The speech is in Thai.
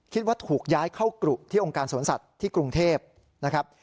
คิดว่าถูกย้ายเข้ากรุที่องค์การสวนสัตว์ที่กรุงเทพนะครับ